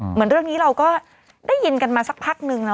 เหมือนเรื่องนี้เราก็ได้ยินกันมาสักพักนึงเนอ